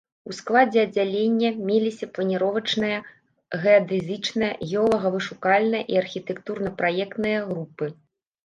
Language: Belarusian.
У складзе аддзялення меліся планіровачная, геадэзічная, геолага-вышукальная і архітэктурна-праектная групы.